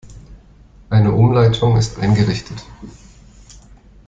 Eine Umleitung ist eingerichtet.